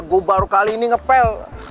gue baru kali ini ngepel